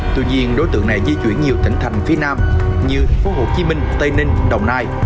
tuy nhiên đối tượng này di chuyển nhiều tỉnh thành phía nam như thành phố hồ chí minh tây ninh đồng nai